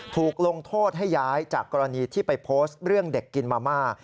ถูกลงโทษให้ย้ายจากกรณีที่ไปโพสต์เรื่องเด็กกินมาม่า